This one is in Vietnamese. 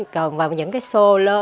còn vào những show